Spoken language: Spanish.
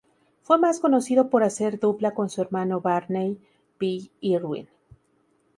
Fue más conocido por hacer dupla con su hermano Barney "Bill" Irwin.